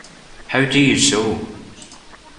How do you sew?